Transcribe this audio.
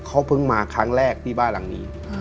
เขาเพิ่งมาครั้งแรกที่บ้านหลังนี้